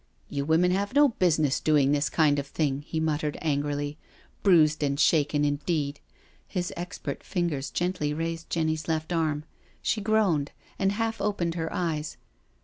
" You women have no business doing this kind of thing,'* he muttered angrily. " Bruised and shaken, indeed I*' His expert fingers gently raised Jenny's left arm. She groaned, and half opened her eyes.